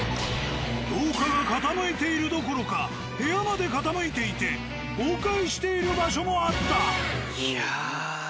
廊下が傾いているどころか部屋まで傾いていて崩壊している場所もあった。